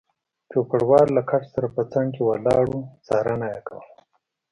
چوپړوال له کټ سره په څنګ کې ولاړ و، څارنه یې کوله.